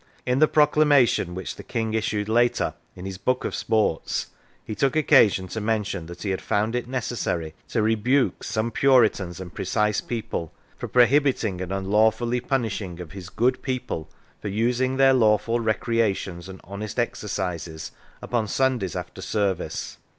In the proclamation which the King issued later in his " Book of Sports," he took occasion to mention that he had found it necessary to rebuke " some Puritans and precise people " for " prohibiting and unlawfully punishing of his good people for using their lawful recreations and honest exercises upon Sundays after service."